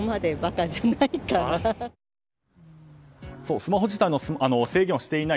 スマホ自体の制限はしていない。